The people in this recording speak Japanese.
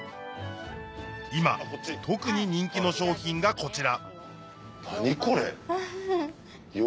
今特に人気の商品がこちら何これ。